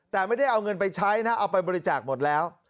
แต่ไม่ได้เอาเงินไปใช้นะเอาไปบริจาคหมดแล้ว